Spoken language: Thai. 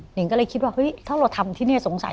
หญิงก็เลยคิดว่าเฮ้ยถ้าเราทำที่นี่สงสัย